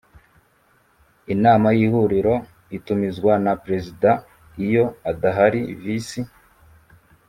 inama y ihuriro itumizwa na perezida iyo adahari visi